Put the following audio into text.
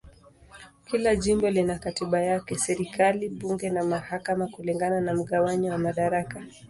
Kila jimbo lina katiba yake, serikali, bunge na mahakama kulingana na mgawanyo wa madaraka.